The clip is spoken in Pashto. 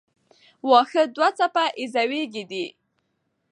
واښه دوه څپه ایزه وییکي دي.